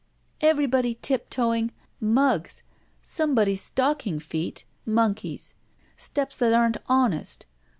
"Everybody tiptoeing! Muggs! Somebody's stocking feet ! Monkey's. Stq)S that aren't honest.